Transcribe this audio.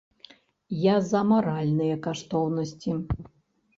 Я за маральныя каштоўнасці.